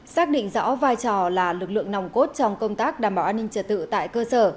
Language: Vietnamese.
xác định rõ vai trò là lực lượng nòng cốt trong công tác đảm bảo an ninh trật tự tại cơ sở